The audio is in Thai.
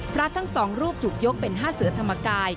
พระทั้งสองรูปถูกยกเป็น๕เสือธรรมกาย